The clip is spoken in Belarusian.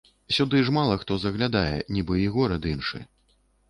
Сюды ж мала хто заглядае, нібы і горад іншы.